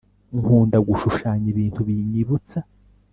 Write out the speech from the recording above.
nkunda gushushanya ibintu binyibutsa